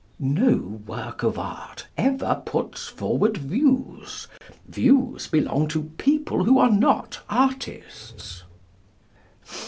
No work of art ever puts forward views. Views belong to people who are not artists.